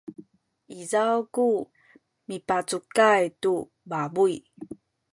izaw ku mipacukay tu pabuy